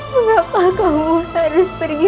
mengapa kamu harus pergi